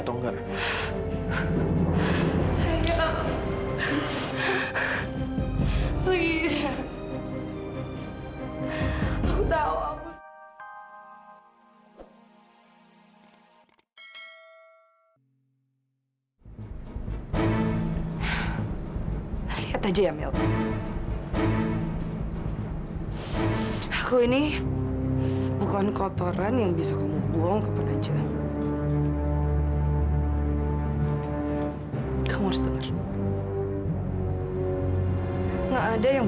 sampai jumpa di video selanjutnya